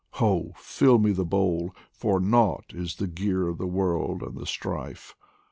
Ho ! fill me the bowl, For nought is the gear of the world and the strife